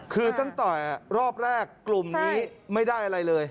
คือต้องต่อยรอบแรกกลุ่มนี้ไม่ได้อะไรเลย